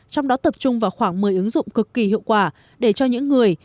trong đó tập trung vào khoảng một mươi ứng dụng cực kỳ hiệu quả để cho những người